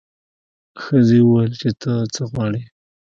ښځې وویل چې ته څه غواړې.